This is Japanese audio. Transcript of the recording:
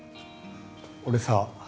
俺さ